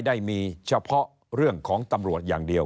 ได้มีเฉพาะเรื่องของตำรวจอย่างเดียว